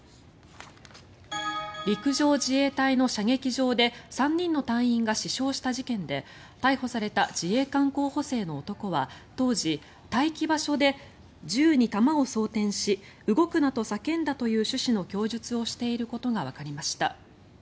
陸上自衛隊の射撃場で３人の隊員が死傷した事件で逮捕された自衛官候補生の男は当時待機場所で銃に弾を装てんし動くなと叫んだという趣旨の供述をしていることがわかりました。